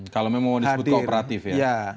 kalau memang mau disebut kooperatif ya